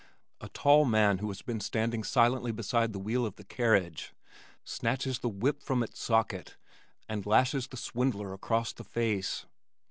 A tall man who has been standing silently beside the wheel of the carriage, snatches the whip from its socket, and lashes the swindler across the face.